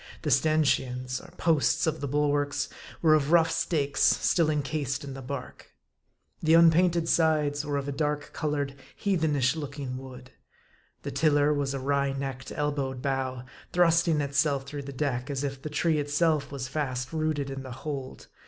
The stanchions, or posts of the bulwarks, were of rough stakes, still incased in the bark. The unpainted sides were of a dark colored, heathen ish looking wood. The tiller was a wry necked, elbowed bough, thrusting itself through the deck, as if the tree itself was fast rooted in the hold.